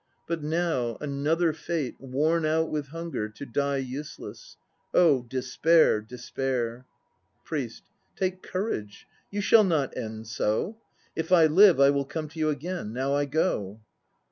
But now, another fate, worn out with hunger To die useless. Oh despair, despair! PRIEST. Take courage; you shall not end so. If I live, I will come to you again. Now I go.